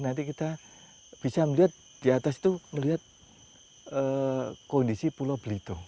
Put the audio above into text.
nanti kita bisa melihat di atas itu melihat kondisi pulau belitung